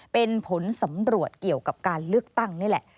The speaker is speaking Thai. เป็นผลสำรวจเกี่ยวกับการเลือกตั้งนี่แหละ